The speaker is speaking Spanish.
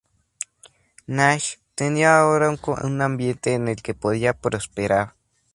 Nash tenía ahora un ambiente en el que podía prosperar.